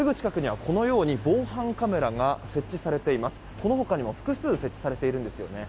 この他にも複数設置されているんですよね。